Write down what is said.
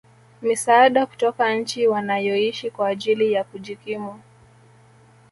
misaada kutoka nchi wanayoishi kwa ajili ya kujikimu